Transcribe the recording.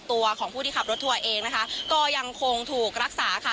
ตัวของผู้ที่ขับรถทัวร์เองนะคะก็ยังคงถูกรักษาค่ะ